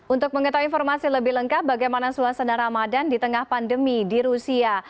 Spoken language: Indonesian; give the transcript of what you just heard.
untuk mengetahui informasi lebih lengkap bagaimana suasana ramadan di tengah pandemi di rusia